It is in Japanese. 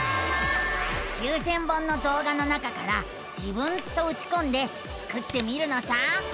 ９，０００本のどう画の中から「自分」とうちこんでスクってみるのさ。